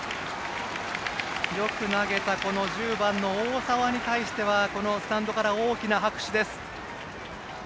よく投げた１０番の大沢に対してスタンドから大きな拍手です。